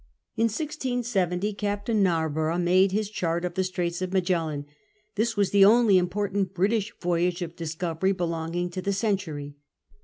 In 1670 Captain Narborough made his chart of the Straits of Magellan. This was the only important British voyage of discovery belonging to the century.